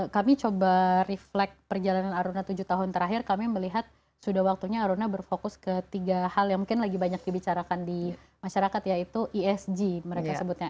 kami coba refleks perjalanan aruna tujuh tahun terakhir kami melihat sudah waktunya aruna berfokus ke tiga hal yang mungkin lagi banyak dibicarakan di masyarakat yaitu esg mereka sebutnya